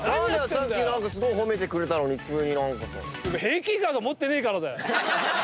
さっきすごい褒めてくれたのに急に何かさ。平均以下だと思ってねえからだよ。